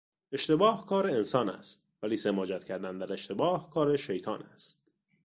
اشتباه کار انسان است ولی سماجت کردن در اشتباه کار شیطان است.